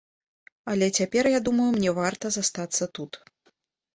Але цяпер, я думаю, мне варта застацца тут.